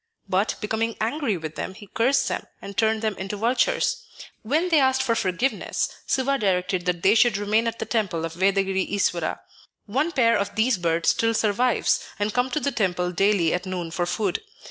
But, becoming angry with them, he cursed them, and turned them into vultures. When they asked for forgiveness, Siva directed that they should remain at the temple of Vedagiri Iswara. One pair of these birds still survives, and come to the temple daily at noon for food.